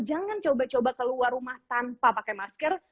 jangan coba coba keluar rumah tanpa pakai masker